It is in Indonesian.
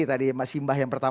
itu adalah kisah yang terakhir